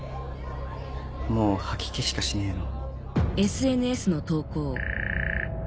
もう吐き気しかしねえの。